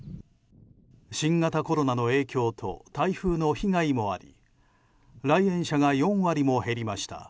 新型コロナの影響と台風の被害もあり来園者が４割も減りました。